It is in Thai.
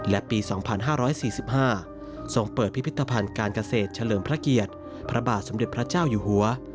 และปี๒๕๔๕ทรงเปิดพิพิธภัณฑ์การเกษตรเฉลิมพระเกียรติพระบาทสมเด็จพระเจ้าอยู่หัว